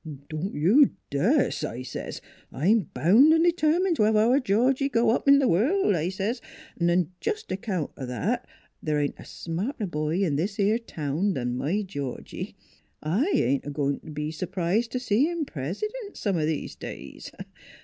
' Don't you das,' I says. ' I'm boun' an' de termined t' have our Georgie go up in th' world,' I says. ... 'N' jest on account o' that, th' ain't a smarter boy in this 'ere town 'n my Georgie. I ain't a goin' t' be s'prised t' see him Pres'dent some o' these days.